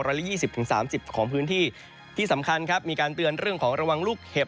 รายละ๒๐๓๐ของพื้นที่ที่สำคัญครับมีการเตือนเรื่องของระวังลูกเห็บ